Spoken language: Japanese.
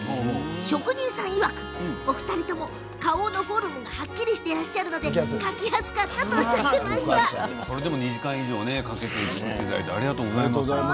職人さんいわくお二人とも顔のフォルムがはっきりしていらっしゃるので描きやすかったとそれでも２時間以上かけて作ってくださってありがとうございます。